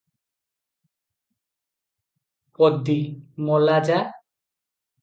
ପଦୀ - ମଲା ଯା!